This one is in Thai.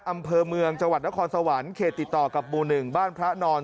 อำเภอเมืองจังหวัดนครสวรรค์เขตติดต่อกับหมู่๑บ้านพระนอน